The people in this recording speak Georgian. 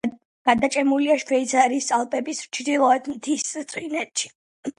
გადაჭიმულია შვეიცარიის ალპების ჩრდილოეთ მთისწინეთში.